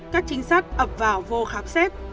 các trinh sát ập vào vô khắp xét